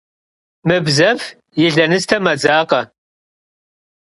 Mıbzef yi lenıste mebzakhue.